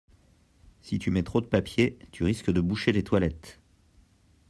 Si tu mets trop de papier, tu risques de boucher les toilettes.